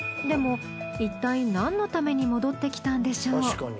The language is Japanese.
でもいったい何のために戻ってきたんでしょう？